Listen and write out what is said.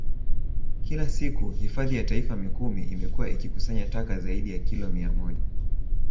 Kila siku Hifadhi ya Taifa Mikumi imekuwa ikikusanya taka zaidi ya kilo mia moja